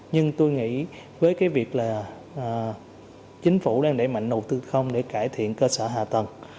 nhưng tôi nghĩ với cái việc là chính phủ đang đẩy mạnh đầu tư không để cải thiện cơ sở hạ tầng